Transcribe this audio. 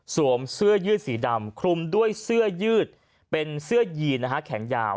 เสื้อยืดสีดำคลุมด้วยเสื้อยืดเป็นเสื้อยีนนะฮะแขนยาว